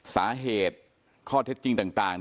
สาเหตุข้อเท็จจริงต่าง